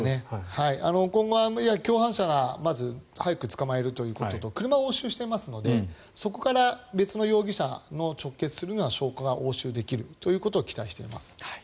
今後は、共犯者をまず早く捕まえるということと車を押収していますのでそこから別の容疑者に直結するような証拠が押収できるということを期待しています。